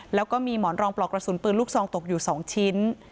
แล้วก็มีหมอนรองปลอกกระสุนปืนลูกซองตกอยู่๒ชิ้น